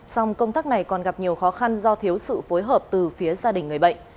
song công tác này còn gặp nhiều khó khăn do thiếu sự phối hợp từ phía gia đình người bệnh